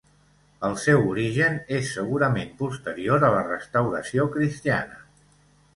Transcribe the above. El seu origen és segurament posterior a la restauració cristiana.